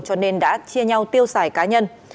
cho nên đã chia nhau tiêu xài cá nhân